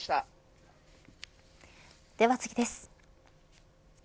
では次です。